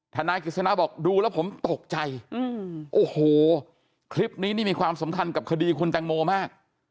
ทนายกฤษณะบอกดูแล้วผมตกใจโอ้โหคลิปนี้นี่มีความสำคัญกับคดีคุณแตงโมมาก